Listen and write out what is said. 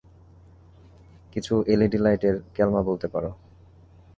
কিছু এলইডি লাইটের ক্যালমা বলতে পারো।